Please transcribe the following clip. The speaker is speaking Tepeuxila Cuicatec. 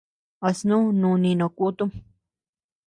¿A snú núni no kutum?